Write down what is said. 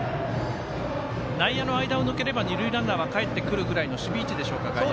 内野の間を抜ければ二塁ランナーがかえってくるくらいの守備位置でしょうか。